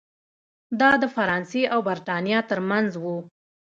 دا د فرانسې او برېټانیا ترمنځ و.